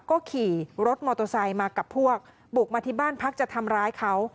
ก็ขี่รถมอเตอร์ไซค์มากับพวกบุกมาที่บ้านพักจะทำร้ายเขา